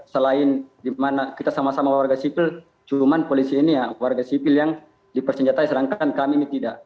selain di mana kita sama sama warga sipil cuma polisi ini warga sipil yang dipersenjatai sedangkan kami ini tidak